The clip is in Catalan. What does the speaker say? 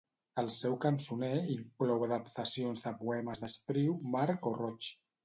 El seu cançoner inclou adaptacions de poemes d'Espriu, March o Roig.